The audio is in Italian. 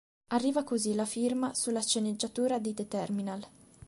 Arriva così la firma sulla sceneggiatura di The Terminal.